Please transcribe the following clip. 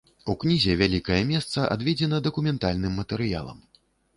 У кнізе вялікае месца адведзена дакументальным матэрыялам.